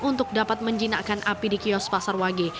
untuk dapat menjinakkan api di kios pasar wage